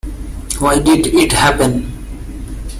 Why did it happen?